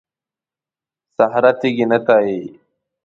صخره تېږې ته وایي.